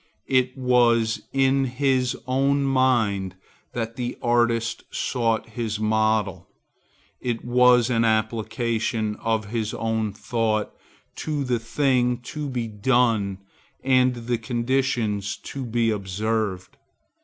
It was in his own mind that the artist sought his model. It was an application of his own thought to the thing to be done and the conditions to be observed.